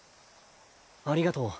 ありがとう。